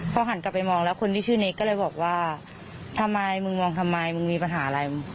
พอหันกลับไปมองแล้วคนที่ชื่อเน็กก็เลยบอกว่าทำไมมึงมองทำไมมึงมีปัญหาอะไร